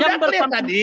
yang bersambutan tidak